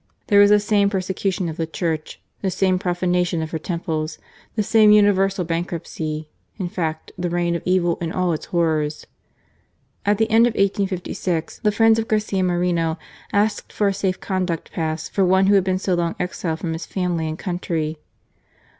There was the same persecution of the Church, the same profanation of her temples, the same universal bankruptcy — in fact the reign of evil in all its horrors. At the end of 1856 the friends of Garcia Moreno asked for a safe conduct pass for one who had been so long exiled from his family and country.